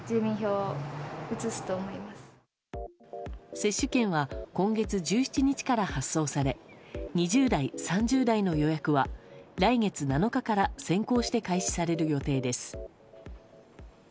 接種券は今月１７日から発送され２０代、３０代の予約は来月７日から先行して開始される予定です。